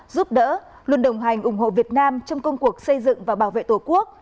giúp đỡ luôn đồng hành ủng hộ việt nam trong công cuộc xây dựng và bảo vệ tổ quốc